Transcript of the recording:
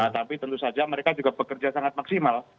tapi tentu saja mereka juga bekerja sangat maksimal